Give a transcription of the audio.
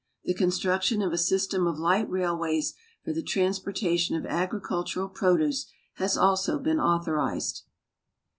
The construction of a system of light railways for the transportation of agricultural produce has also been authorized.